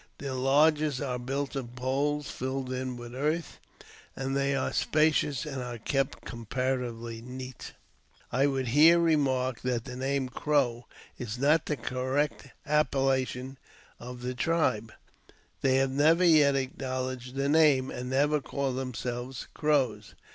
Their lodges are built of poles, filled in with earth ; they are spacious, and are kept comparatively neat. 246 AUTOJBIOGBAPHY OF I would here remark that the nanie Crow " is not the correct appellation of the tribe. They have never yet acknow , ledged the name, and never call themselves Crows.